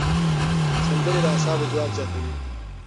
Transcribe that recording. سندرې د اعصابو ځواک زیاتوي.